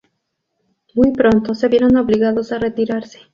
Muy pronto se vieron obligados a retirarse.